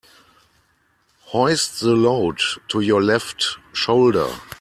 Hoist the load to your left shoulder.